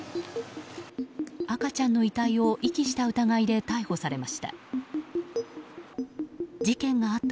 赤ちゃんの遺体を遺棄した疑いで逮捕されました。